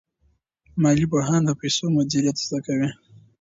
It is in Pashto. مالي پوهان د پیسو مدیریت زده کوي.